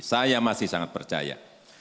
saya masih sangat percaya